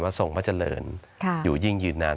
สวัสดีครับทุกคน